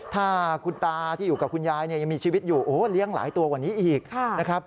ถ้าคุณตาที่อยู่กับคุณยายยังมีชีวิตอยู่เลี้ยงหลายตัวกว่านี้อีก